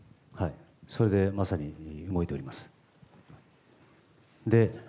それでまさに動いております。